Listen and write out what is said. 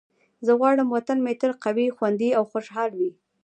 زه غواړم وطن مې تل قوي، خوندي او خوشحال وي.